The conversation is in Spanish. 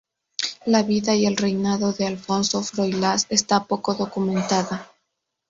La vida y el reinado de Alfonso Froilaz está poco documentada.